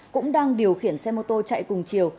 cũng đang điều khiển xe mô tô chạy cùng chiều